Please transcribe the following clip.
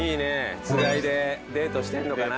つがいでデートしてんのかな？